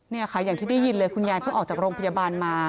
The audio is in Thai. เนี่ยค่ะอย่างที่ได้ยินเลยคุณยายเพิ่งออกจากโรงพยาบาลมา